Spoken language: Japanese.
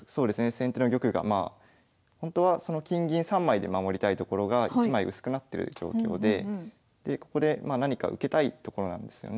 先手の玉がほんとはその金銀３枚で守りたいところが１枚薄くなってる状況でここで何か受けたいところなんですよね。